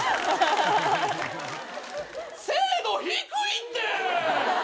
精度低いって！